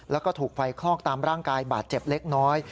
แล้วก็ถูกไฟคลอกตามร่างกายบาดเจ็บเล็กน้อย